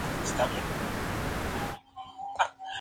Apodado "Palito", Hugo Mallet nació en la ciudad de Montevideo.